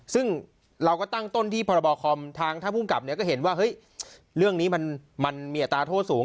ซึ่งเราก็ตั้งต้นที่พรบคอมทางท่านภูมิกับก็เห็นว่าเฮ้ยเรื่องนี้มันมีอัตราโทษสูง